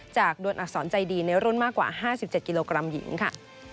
ดวนอักษรใจดีในรุ่นมากกว่า๕๗กิโลกรัมหญิงค่ะ